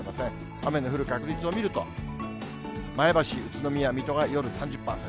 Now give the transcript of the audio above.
雨の降る確率を見ると、前橋、宇都宮、水戸が夜３０％。